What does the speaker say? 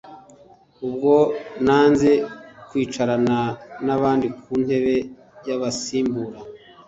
ubwo nanze kwicarana n’abandi ku ntebe y’abasimbura”